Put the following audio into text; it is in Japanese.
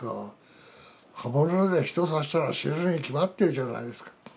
刃物で人刺したら死ぬに決まってるじゃないですか。